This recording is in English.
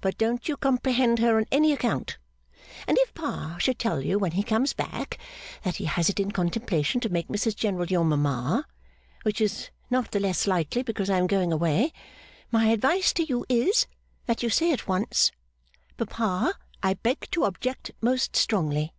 But don't you comprehend her on any account. And if Pa should tell you when he comes back, that he has it in contemplation to make Mrs General your mama (which is not the less likely because I am going away), my advice to you is, that you say at once, "Papa, I beg to object most strongly.